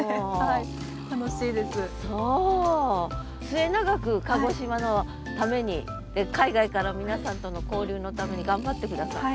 末永く鹿児島のために海外から皆さんとの交流のために頑張って下さい。